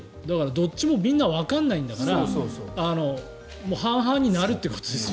どっちもみんなわからないんだから半々になると。